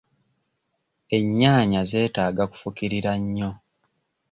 Ennyaanya zeetaaga kufukirira nnyo.